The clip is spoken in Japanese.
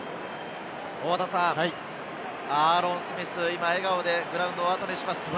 アーロン・スミス、笑顔でグラウンドを後にします。